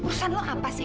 rusan lu apa sih